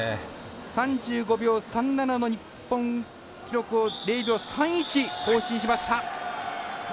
３５秒３７の日本記録を０秒３１更新しました。